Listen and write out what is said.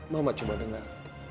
mama cuma dengar